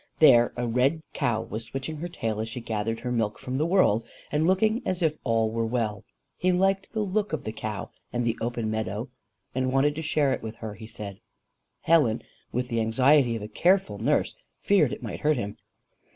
There a red cow was switching her tail as she gathered her milk from the world, and looking as if all were well. He liked the look of the cow, and the open meadow, and wanted to share it with her, he said. Helen, with the anxiety of a careful nurse, feared it might hurt him.